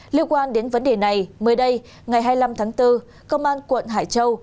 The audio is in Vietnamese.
liên quan đến vấn đề này mới đây ngày hai mươi năm tháng bốn công an quận hải châu